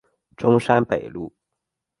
中山北路